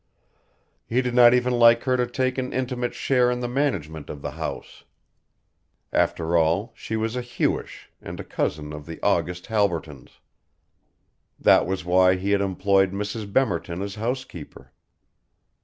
He did not even like her to take an intimate share in the management of the house. After all she was a Hewish and a cousin of the august Halbertons. That was why he had employed Mrs. Bemerton as housekeeper.